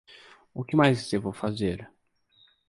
O que mais devo fazer?